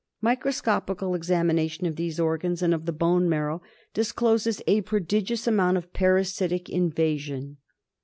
Microscopical examination of these organs and of the bone! marrow discloses a prodigious amount of parasitic in vasion.